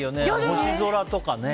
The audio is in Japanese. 星空とかね。